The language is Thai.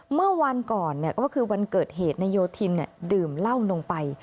เมื่อวันก่อนก็คือวันเกิดเหตุนายโยธินดื่มเหล้าลงไป